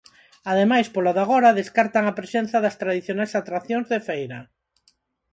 Ademais, polo de agora descartan a presenza das tradicionais atraccións de feira.